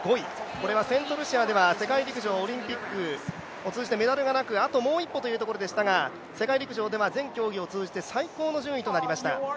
これはセントルシアでは世界陸上、オリンピックを通じてメダルがなく、あともう一歩というところでしたが世界陸上では全競技を通じて、最高の順位となりました。